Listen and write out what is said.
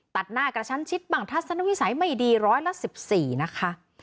ตัดหน้ากระชั้นชิดบ้างทัศนวิสัยไม่ดีร้อยละ๑๔นะคะ